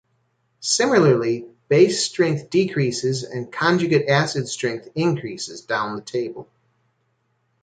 Similarly, base strength decreases and conjugate acid strength increases down the table.